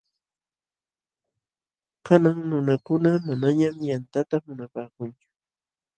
Kanan nunakuna manañam yantata munapaakunchu.